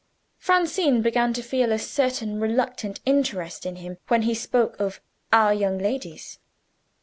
Francine began to feel a certain reluctant interest in him when he spoke of "our young ladies."